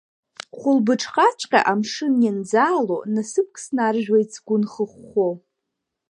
Хәылбыҽхаҵәҟьа амшын ианӡаало, насыԥк снаржәуеит сгәы нхыхәхәо.